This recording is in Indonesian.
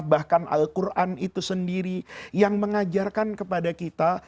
bahkan al quran itu sendiri yang mengajarkan kepada kita